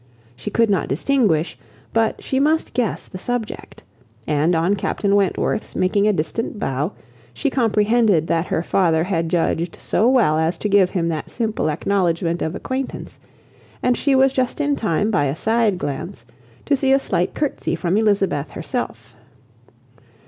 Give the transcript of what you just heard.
She could not distinguish, but she must guess the subject; and on Captain Wentworth's making a distant bow, she comprehended that her father had judged so well as to give him that simple acknowledgement of acquaintance, and she was just in time by a side glance to see a slight curtsey from Elizabeth herself.